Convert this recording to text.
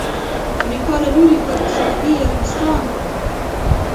د امریکا له لوري پر سعودي عربستان